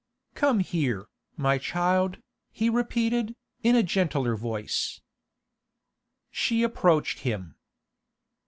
'Come here, my child,' he repeated, in a gentler voice. She approached him.